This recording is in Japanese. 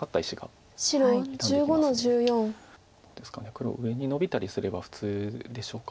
黒上にノビたりすれば普通でしょうか。